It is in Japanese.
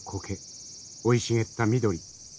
生い茂った緑。